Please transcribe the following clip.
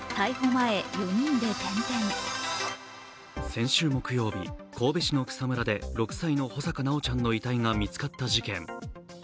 先週木曜日、神戸市の草むらで６歳の穂坂修ちゃんの遺体が見つかった事件。